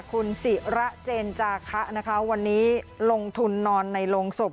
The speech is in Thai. คุณศิระเจนจาคะนะคะวันนี้ลงทุนนอนในโรงศพ